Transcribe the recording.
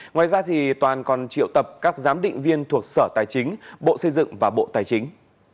ngoài ra toàn còn triệu tập các giám định viên thuộc sở tài chính bộ xây dựng và bộ tài chính